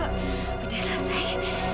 keno udah selesai